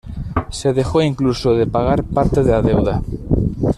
Se dejó incluso de pagar parte de la deuda.